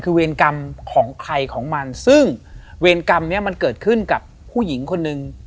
คือเวรกรรมของใครของมันซึ่งเวรกรรมนี้มันเกิดขึ้นกับผู้หญิงคนหนึ่ง